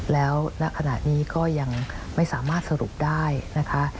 แล้วณขณะนี้ก็ยังไม่สามารถสรุปได้นะคะ